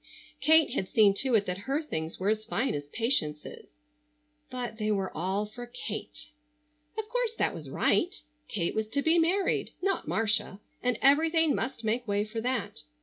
Kate had seen to it that her things were as fine as Patience's,—but, they were all for Kate! Of course, that was right! Kate was to be married, not Marcia, and everything must make way for that.